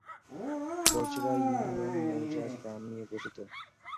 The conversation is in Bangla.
বজরা ইউনিয়ন মৌজা/গ্রাম নিয়ে গঠিত।